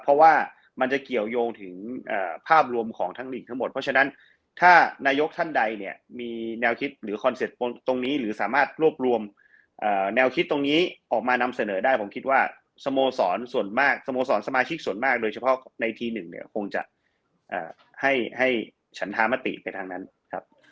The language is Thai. เพราะว่ามันจะเกี่ยวยงถึงภาพรวมของทั้งหลีกทั้งหมดเพราะฉะนั้นถ้านายกท่านใดเนี่ยมีแนวคิดหรือคอนเซ็ปต์ตรงนี้หรือสามารถรวบรวมแนวคิดตรงนี้ออกมานำเสนอได้ผมคิดว่าสโมสรส่วนมากสโมสรสมาชิกส่วนมากโดยเฉพาะในทีหนึ่งเนี่ยคงจะให้ฉันธามติไปทางนั้นครับ